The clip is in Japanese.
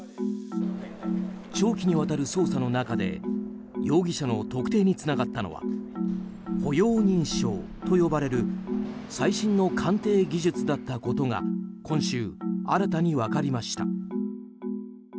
長期にわたる捜査の中で容疑者の特定につながったのは歩容認証と呼ばれる最新の鑑定技術だったことが今週、新たに分かりました。